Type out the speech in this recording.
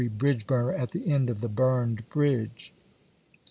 r. bridge burner at the end of the burned bridge."